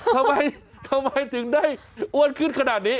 ทำไมทำไมถึงได้อ้วนขึ้นขนาดนี้